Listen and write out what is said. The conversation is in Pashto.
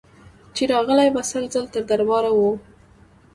چي راغلې به سل ځله تر دربار وه